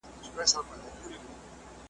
رېزمرېز به یې پر مځکه وي هډونه .